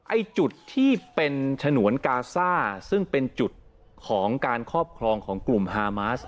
ไอ้จุดที่เป็นฉนวนกาซ่าซึ่งเป็นจุดของการครอบครองของกลุ่มฮามาส